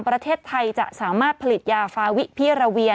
ประเทศไทยจะสามารถผลิตยาฟาวิพิราเวีย